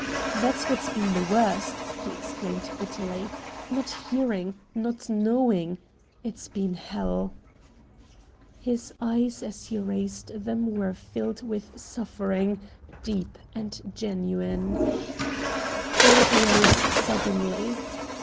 "That's what's been the worst!" he exclaimed bitterly. "Not hearing, not knowing. It's been hell!" His eyes as he raised them were filled with suffering, deep and genuine. Ford rose suddenly.